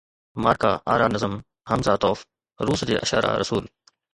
مارڪا آرا نظم حمزه توف، روس جي اشعرا رسول